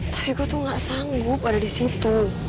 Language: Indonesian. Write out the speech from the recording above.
tapi gue tuh gak sanggup ada disitu